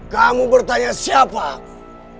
kamu bertanya siapa aku